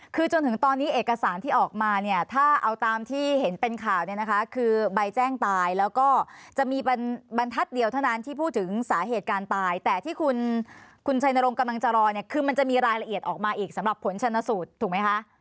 คือจนถึงตอนนี้เอกสารที่ออกมาเนี่ยถ้าเอาตามที่เห็นเป็นข่าวเนี่ยนะคะคือใบแจ้งตายแล้วก็จะมีบรรทัศน์เดียวเท่านั้นที่พูดถึงสาเหตุการตายแต่ที่คุณชัยนรงค์กำลังจะรอเนี่ยคือมันจะมีรายละเอียดออกมาอีกสำหรับผลชนสูตรถูกไหมคะ